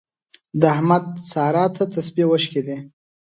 د احمد سارا ته تسپې وشکېدې.